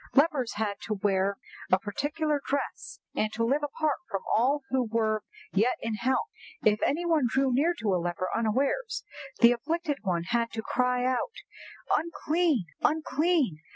Lepers had to wear a particular dress, and to live apart from all who were yet in health. If any one drew near to a leper unawares, the afflicted one had to cry out 'Unclean! unclean!